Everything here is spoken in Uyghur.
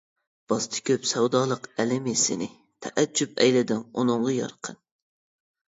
باستى كۆپ سەۋدالىق ئەلىمى سېنى، تەئەججۈپ ئەيلىدىڭ ئۇنىڭغا يارقىن.